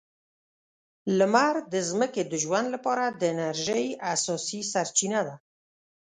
لمر د ځمکې د ژوند لپاره د انرژۍ اساسي سرچینه ده.